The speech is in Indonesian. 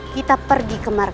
kita pergi kemarau